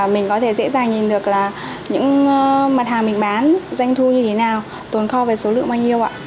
mình có thể dễ dàng nhìn được những mặt hàng mình bán danh thu như thế nào tồn kho về số lượng bao nhiêu